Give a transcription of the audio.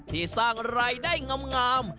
ที่สร้างรายได้งาม